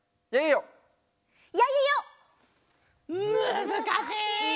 むずかしい！